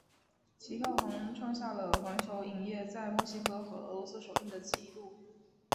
其票房创下了环球影业在墨西哥和俄罗斯首映的纪录。